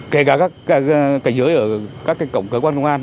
kể cả các cảnh giới ở các cổng cơ quan công an